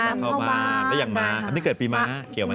ขนทรัพย์เข้าบ้านได้อย่างม้าอันนี้เกิดปีม้าเกี่ยวไหม